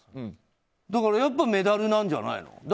だからやっぱりメダルなんじゃないの？